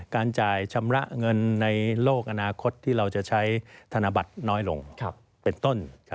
การจ่ายชำระเงินในโลกอนาคตที่เราจะใช้ธนบัตรน้อยลงเป็นต้น